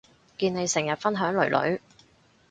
見你成日分享囡囡